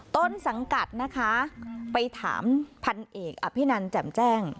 ต้นสังกัดนะคะไปถามพันเอกอภินันแจ่มแจ้ง